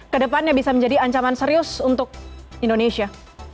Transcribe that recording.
kedepannya bisa menjadi ancaman serius untuk indonesia